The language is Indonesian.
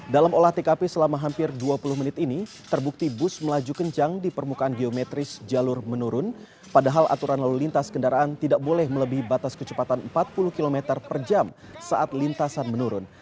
dalam olah tkp selama hampir dua puluh menit ini terbukti bus melaju kencang di permukaan geometris jalur menurun padahal aturan lalu lintas kendaraan tidak boleh melebihi batas kecepatan empat puluh km per jam saat lintasan menurun